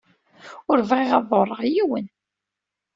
Ur bɣiɣ ad ḍurreɣ yiwen.